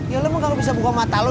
ya lo mah gak bisa buka mata lo